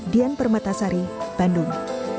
dian permatasari bandung